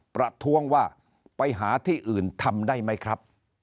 ประท้วงว่าไปหาที่อื่นทำได้ไหมครับ